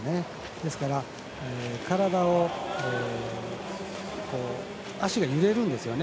ですから、体を足が揺れるんですよね